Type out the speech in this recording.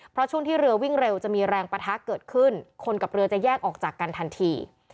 เพราะช่วงที่เรือวิ่งเร็วจะมีแรงปะทะเกิดขึ้นคนกับเรือจะแยกออกจากกันทันที